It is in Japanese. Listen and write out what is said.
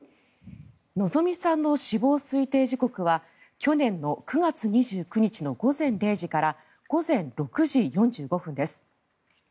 希美さんの死亡推定時刻は去年９月２９日の午前０時から午前６時４５分です。